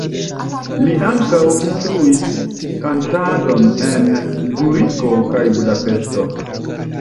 Li ankaŭ instruis kantadon en Zuriko kaj Budapeŝto.